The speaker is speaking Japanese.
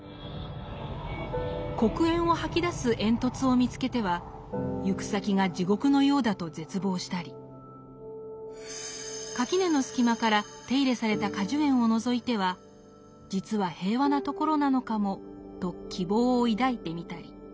黒煙を吐き出す煙突を見つけては行く先が地獄のようだと絶望したり垣根の隙間から手入れされた果樹園をのぞいては「実は平和な所なのかも」と希望を抱いてみたり。